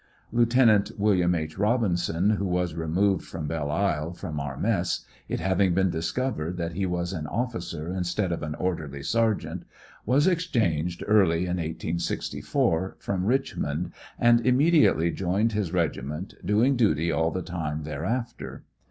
Lieut. Wm. H. Robinson, who was removed from Belle Isle, from our mess, it having been discovered that he was an ofhcer instead of an orderly sergeant, was exchanged early in 1864, from Richmond, and immediately joined his regiment, doing duty all the time there after.